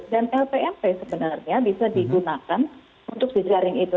dan lpmp sebenarnya bisa digunakan untuk dijaring itu